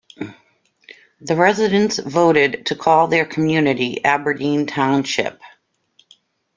The residents voted to call their community Aberdeen Township.